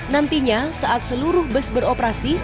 nantinya saat seluruh bus beroperasi